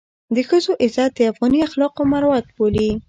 د ښځو عزت د افغاني اخلاقو مروت بولي.